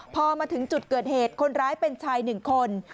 พอมาถึงจุดเกิดเหตุคนร้ายเป็นชายหนึ่งคน